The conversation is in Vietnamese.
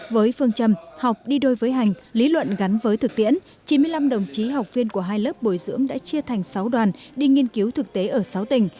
với phương châm học đi đôi với hành lý luận gắn với thực tiễn chín mươi năm đồng chí học viên của hai lớp bồi dưỡng đã chia thành sáu đoàn đi nghiên cứu thực tế ở sáu tỉnh